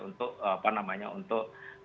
untuk apa namanya untuk